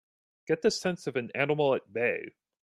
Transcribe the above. Get the sense of an animal at bay!